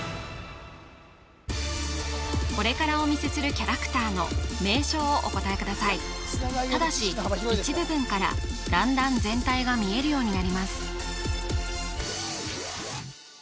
これからお見せするキャラクターの名称をお答えくださいただし一部分から段々全体が見えるようになります